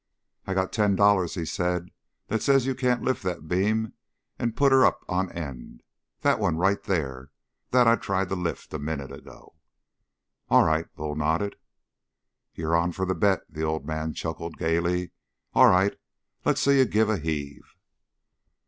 "I got ten dollars," he said, "that says you can't lift that beam and put her up on end! That one right there, that I tried to lift a minute ago!" "All right," Bull nodded. "You're on for the bet?" the old man chuckled gayly. "All right. Let's see you give a heave!"